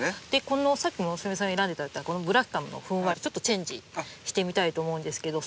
さっき村雨さん選んで頂いたこのブラキカムのふんわりとちょっとチェンジしてみたいと思うんですけど。